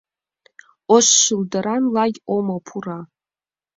Ош шулдыран лай омо пура.